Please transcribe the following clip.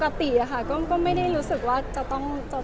คือหนูไม่อยากร้อนตัวมันก็ปกติอะค่ะก็ไม่ได้รู้สึกว่าจะต้องลบ